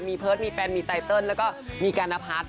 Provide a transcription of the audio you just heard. มีเพิร์ตมีแฟนมีไตเติลแล้วก็มีการนพัฒน์